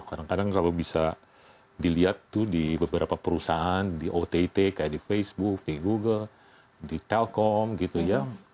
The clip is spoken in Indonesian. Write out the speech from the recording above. kadang kadang kalau bisa dilihat tuh di beberapa perusahaan di ott kayak di facebook di google di telkom gitu ya